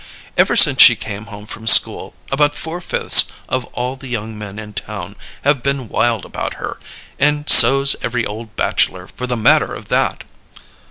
Ever since she came home from school, about four fifths of all the young men in town have been wild about her and so's every old bachelor, for the matter of that!"